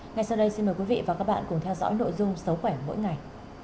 ngay sau đây xin mời quý vị và các bạn cùng theo dõi nội dung xấu khỏe mỗi ngày